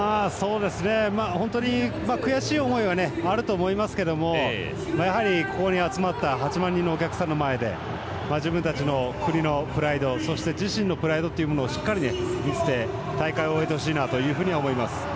本当に、悔しい思いはあると思いますけれどもやはりここに集まった８万人のお客さんの前で自分たちの国のプライドそして自身のプライドをしっかり見せて大会を終えてほしいなと思います。